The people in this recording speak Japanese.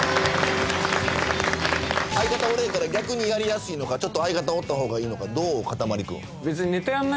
相方おれへんから逆にやりやすいのかちょっと相方おった方がいいのかどうかたまり君？